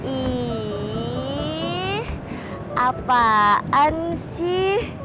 ih apaan sih